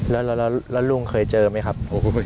แล้วลุงเคยเจอไหมครับ